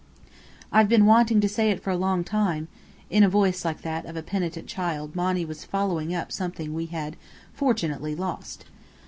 "I've been wanting to say it for a long time," in a voice like that of a penitent child Monny was following up something we had (fortunately) lost.